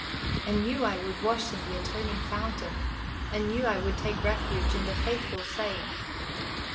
Anew I would wash in the atoning fountain. Anew I would take refuge "in the faithful saying."